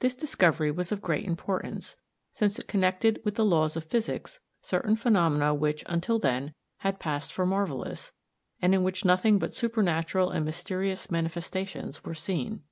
This discovery was of great importance, since it connected with the laws of physics certain phenomena which, until then, had passed for marvelous, and in which nothing but supernatural and mysterious manifestations were seen.